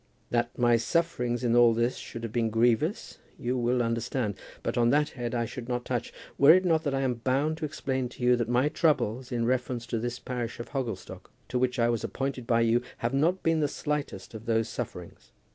That my sufferings in all this should have been grievous, you will understand. But on that head I should not touch, were it not that I am bound to explain to you that my troubles in reference to this parish of Hogglestock, to which I was appointed by you, have not been the slightest of those sufferings.